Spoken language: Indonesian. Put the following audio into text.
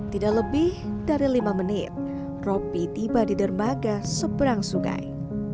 tidak lebih dari lima menit ropi tiba di dermaga seberang sungai